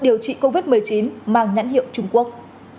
điều trị covid một mươi chín mang nhãn hiệu trung quốc